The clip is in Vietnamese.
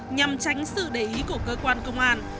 nhằm tránh sự để ý của cơ quan công an